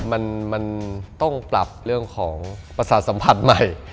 มันต้องปรับเรื่องของประสาทสัมผัสใหม่